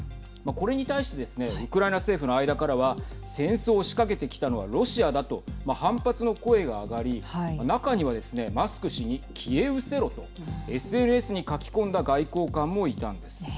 これに対してですねウクライナ政府の間からは戦争を仕掛けてきたのはロシアだと反発の声が上がり中にはですねマスク氏に消えうせろとＳＮＳに書き込んだ外交官もいたんです。